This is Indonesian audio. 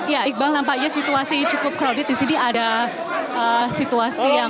ya iqbal nampaknya situasi cukup crowded di sini ada situasi yang